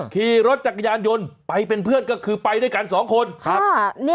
ขี่รถจักรยานยนต์ไปเป็นเพื่อนก็คือไปด้วยกันสองคนครับ